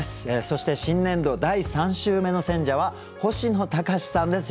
そして新年度第３週目の選者は星野高士さんです。